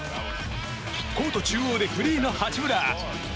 コート中央でフリーの八村。